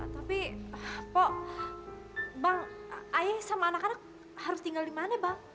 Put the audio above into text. tapi pok bang ayah sama anak anak harus tinggal dimana bang